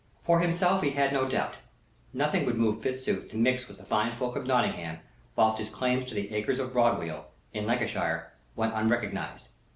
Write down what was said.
For himself he had no doubt. Nothing would move Fitzooth to mix with the fine folk of Nottingham whilst his claims to the acres of Broadweald, in Lancashire, went unrecognized.